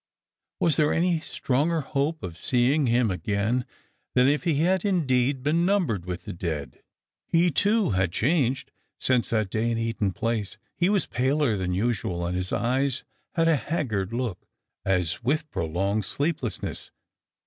Was there any stronger hoj^e of seeing him again than if he had indeed been numbered with the dead ? He, too, had changed since that day in Eaton place. He was paler than usual, and his eyes had a haggard look, as with prolonged sleeplessness.